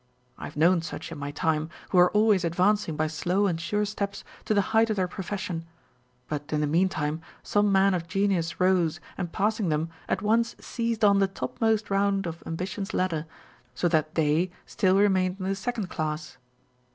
I have known such in my time, who were always advancing by slow and sure steps to the height of their profession ; but in the meantime, some man of genius rose, and passing them, at once seized on the topmost round of ambition's ladder, so that they still remained in the second class.